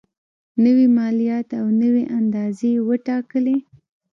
نوي مالیات او نوي اندازې یې وټاکلې.